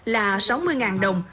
là sáu mươi đồng